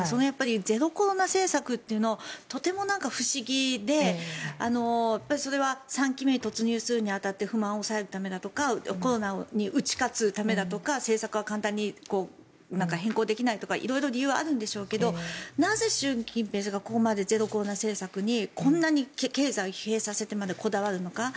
ゼロコロナ政策というのがとても不思議でそれは３期目に突入するに当たって不満を抑えるためだとかコロナに打ち勝つためだとか政策は簡単に変更できないとか色々理由はあるんでしょうけどなぜ習近平さんがここまでゼロコロナ政策にこんなに経済を疲弊させてまでこだわるのか。